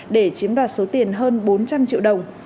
để chiếm đoạt số tiền hơn bốn trăm linh triệu đồng